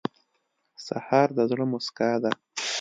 سهار د زړه موسکا ده.